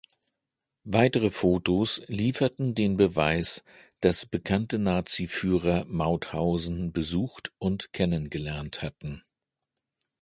Weitere Fotos lieferten den Beweis, dass bekannte Nazi-Führer Mauthausen besucht und kennengelernt hatten.